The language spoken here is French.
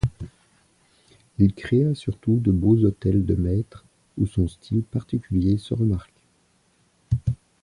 Il créa surtout de beaux hôtels de maître où son style particulier se remarque.